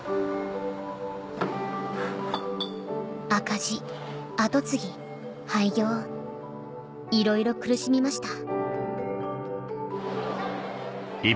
赤字後継ぎ廃業いろいろ苦しみました